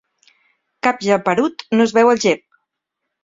Cap geperut no es veu el gep.